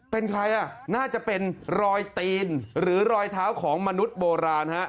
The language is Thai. เป็นใครอ่ะน่าจะเป็นรอยตีนหรือรอยเท้าของมนุษย์โบราณฮะ